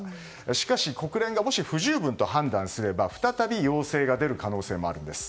しかし、国連がもし不十分と判断すれば再び要請が出る可能性もあるんです。